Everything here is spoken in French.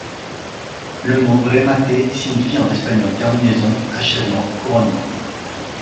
Le mot remate signifie en espagnol terminaison, achèvement, couronnement.